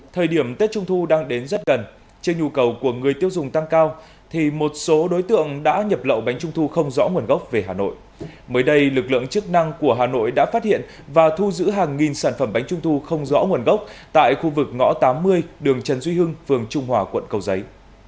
thời điểm tết trung thu đang đến rất gần trên nhu cầu của người tiêu dùng tăng cao thì một số đối tượng đã nhập lậu bánh trung thu không rõ nguồn gốc về hà nội mới đây lực lượng chức năng của hà nội đã phát hiện và thu giữ hàng nghìn sản phẩm bánh trung thu không rõ nguồn gốc tại khu vực ngõ tám mươi đường trần duy hưng phường trung hòa quận cầu giấy